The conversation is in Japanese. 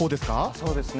そうですね。